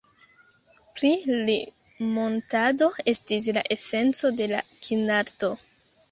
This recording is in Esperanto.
Por li muntado estis la esenco de la kinarto.